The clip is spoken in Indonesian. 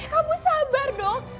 kamu sabar dong